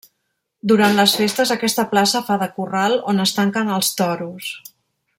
Durant les festes aquesta plaça fa de corral on es tanquen els toros.